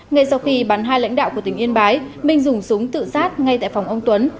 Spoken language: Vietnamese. ngay sau khi bắn hai lãnh đạo của tỉnh yên bái minh dùng súng tự sát ngay tại phòng ông tuấn